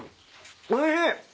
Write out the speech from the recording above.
おいしい。